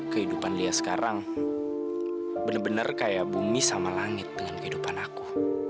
kehidupan lia sekarang benar benar kayak bumi sama langit dengan kehidupan aku